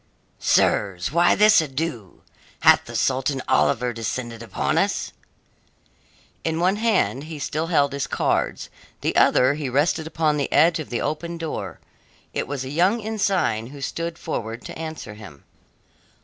"Sirs, why this ado? Hath the Sultan Oliver descended upon us?" In one hand he still held his cards, the other he rested upon the edge of the open door. It was a young ensign who stood forward to answer him.